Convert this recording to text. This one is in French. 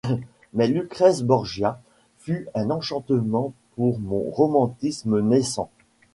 Mais Lucrèce Borgia fut un enchantement pour mon romantisme naissant !